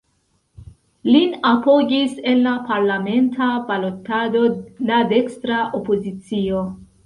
Lin apogis en la parlamenta balotado la dekstra opozicio.